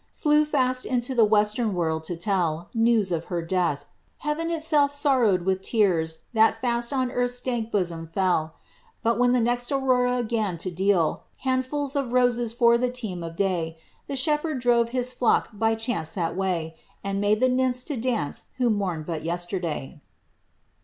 Flew fast into the western world to tell News of her death : Heaven itself sorrowed With tears that fast on earth's dank bosom Ml; But when the next Aurora 'gan to deal Handfuls of roses Yore the team of day, A shepherd drove his flock by chance tliat way. And made the nymphs to dance' who mourned but yesterday.